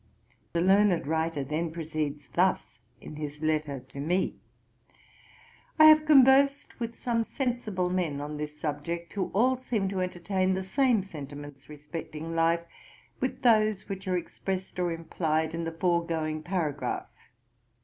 The learned writer then proceeds thus in his letter to me: 'I have conversed with some sensible men on this subject, who all seem to entertain the same sentiments respecting life with those which are expressed or implied in the foregoing paragraph.